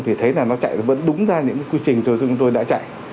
thì thấy là nó chạy vẫn đúng ra những quy trình chúng tôi đã chạy